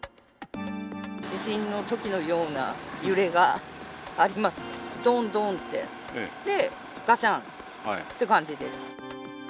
地震のときのような揺れがありまして、どんどんって、で、がしゃんって感じです。